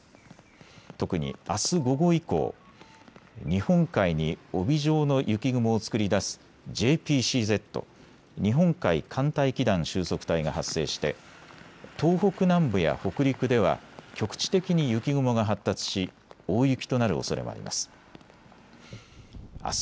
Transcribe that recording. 特にあす午後以降、日本海に帯状の雪雲を作り出すＪＰＣＺ・日本海寒帯気団収束帯が発生して東北南部や北陸では局地的に雪雲が発達し大雪となるおそれもあります。